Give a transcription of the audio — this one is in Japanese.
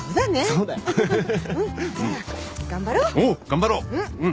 頑張ろう。